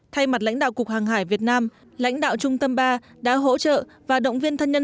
thay mặt lãnh đạo cục hàng hải việt nam lãnh đạo trung tâm ba đã hỗ trợ và động viên thân nhân